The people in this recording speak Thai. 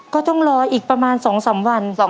ก็ต้องรออีกประมาณ๒๓วัน